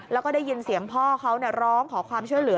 แล้วก็ได้ยินเสียงพ่อเขาร้องขอความช่วยเหลือ